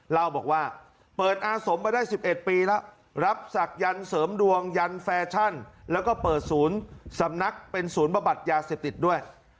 เล่าบอกว่าเปิดอาสมมาได้๑๑ปีแล้วรับศักดิ์เสริมดวงยันแฟชั่นแล้วก็เปิดศูนย์สำนักเป็นศูนย์บำบัดยาเสพติดด้วย